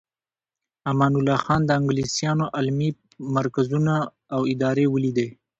امان الله خان د انګلیسانو علمي مرکزونه او ادارې ولیدې.